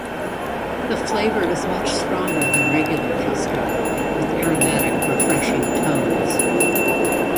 The flavor is much stronger than regular pisco with aromatic refreshing tones.